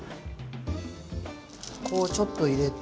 こうちょっと入れて。